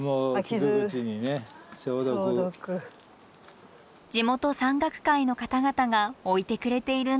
地元山岳会の方々が置いてくれているんだそう。